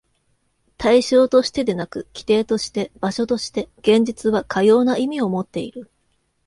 対象としてでなく、基底として、場所として、現実はかような意味をもっている。